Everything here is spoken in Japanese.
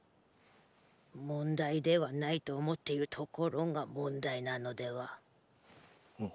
問題ではないと思っているところが問題なのでは？